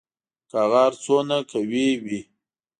که هغه هر څومره قوي وي